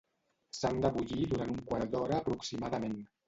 S'han de bullir durant un quart d'hora aproximadament.